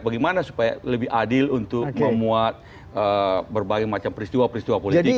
bagaimana supaya lebih adil untuk memuat berbagai macam peristiwa peristiwa politik